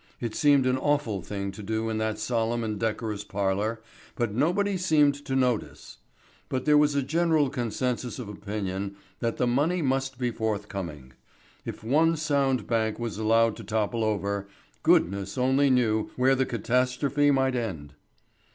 It seemed an awful thing to do in that solemn and decorous parlour, but nobody seemed to notice. But there was a general consensus of opinion that the money must be forthcoming. If one sound bank was allowed to topple over, goodness only knew where the catastrophe might end.